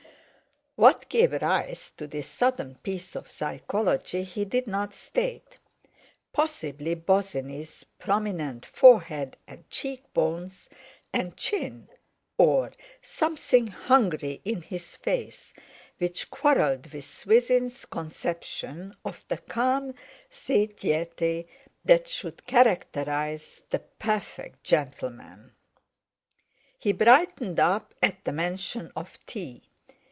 What gave rise to this sudden piece of psychology he did not state; possibly Bosinney's prominent forehead and cheekbones and chin, or something hungry in his face, which quarrelled with Swithin's conception of the calm satiety that should characterize the perfect gentleman. He brightened up at the mention of tea.